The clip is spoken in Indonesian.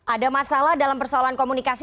ada masalah dalam persoalan komunikasi